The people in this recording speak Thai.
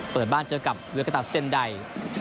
เปิดบ้านเจอกับเวียกตาเซ็นไดย